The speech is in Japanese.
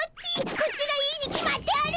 こっちがいいに決まっておる！